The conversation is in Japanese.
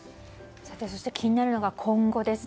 そして気になるのが今後です。